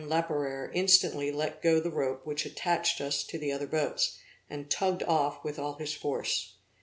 Laperere instantly let go the rope which attached us to the other boats, and tugged off with all his force.